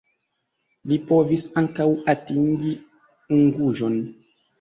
Li povis ankaŭ atingi Unguĵon.